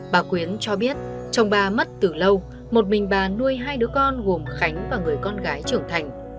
bà quyến cho biết chồng bà mất từ lâu một mình bà nuôi hai đứa con gồm khánh và người con gái trưởng thành